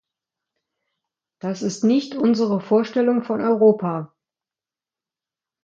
Das ist nicht unsere Vorstellung von Europa!